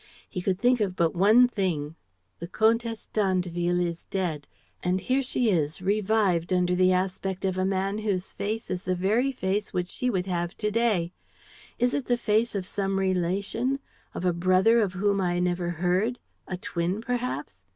He could think of but one thing: "The Comtesse d'Andeville is dead; and here she is revived under the aspect of a man whose face is the very face which she would have to day. Is it the face of some relation, of a brother of whom I never heard, a twin perhaps?"